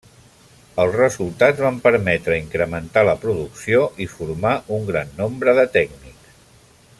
Els resultats van permetre incrementar la producció i formar un gran nombre de tècnics.